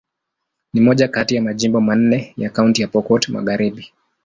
Ni moja kati ya majimbo manne ya Kaunti ya Pokot Magharibi.